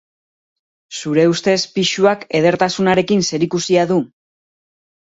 Zure ustez pisuak edertasunarekin zerikusia du?